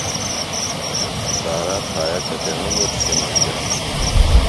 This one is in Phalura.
سارا پھایہ کتیݨُوۡ مُٹ چِھنن دےۡ؟